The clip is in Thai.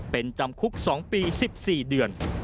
เป็นจำคุก๒ปี๑๔เดือน